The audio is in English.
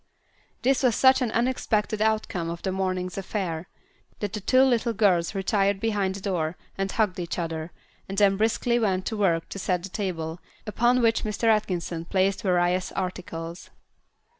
This was such an unexpected outcome of the morning's affair, that the two little girls retired behind the door and hugged each other, and then briskly went to work to set the table, upon which Mr. Atkinson placed various articles.